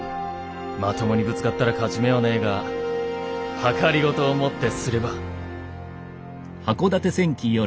まともにぶつかったら勝ち目はねえが謀をもってすれば。